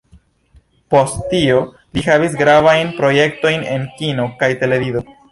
Post tio li havis gravajn projektojn en kino kaj televido.